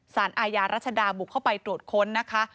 สารอาญารัชดาบุกเข้าไปตรวจค้นนะคะ